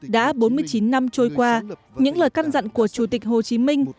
đã bốn mươi chín năm trôi qua những lời căn dặn của chủ tịch hồ chí minh